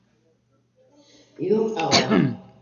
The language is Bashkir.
— Юҡ, ағай.